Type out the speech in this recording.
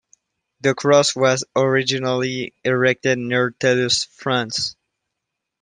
The cross was originally erected near Thelus, France.